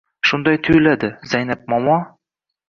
— Shunday tuyuladi, Zaynab momo.